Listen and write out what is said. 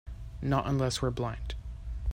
Not unless we're blind.